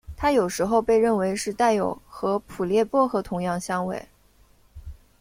它有时候被认为是带有和普列薄荷同样香味。